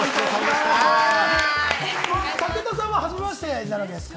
武田さんは初めましてになるわけですか？